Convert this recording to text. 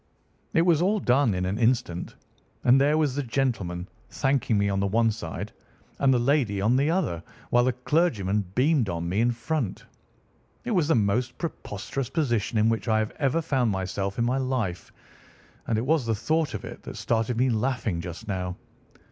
It was all done in an instant, and there was the gentleman thanking me on the one side and the lady on the other, while the clergyman beamed on me in front. It was the most preposterous position in which I ever found myself in my life, and it was the thought of it that started me laughing just now.